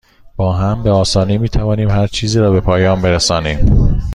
با هم، به آسانی می توانیم هرچیزی را به پایان برسانیم.